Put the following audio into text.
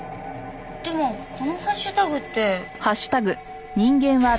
でもこのハッシュタグって。